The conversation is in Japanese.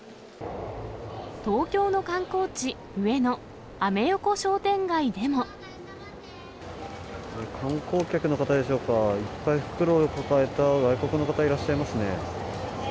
東京の観光地、観光客の方でしょうか、いっぱい袋を抱えた外国の方、いらっしゃいますね。